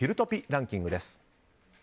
ランキングです。